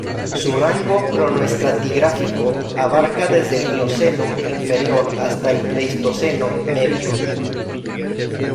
Su rango cronoestratigráfico abarca desde el Mioceno inferior hasta el Pleistoceno medio.